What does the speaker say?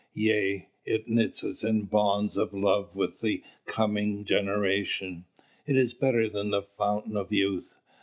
Yea, it knits us in bonds of love with the coming generation. It is better than the fountain of youth.